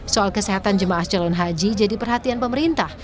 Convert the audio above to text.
soal kesehatan jemaah calon haji jadi perhatian pemerintah